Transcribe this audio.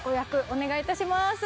お願いいたします。